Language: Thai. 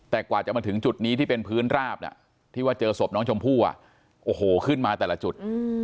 แต่กว่าจะมาถึงจุดนี้ที่เป็นพื้นราบที่ว่าเจอศพน้องชมพู่โอ้โหขึ้นมาแต่ละจุด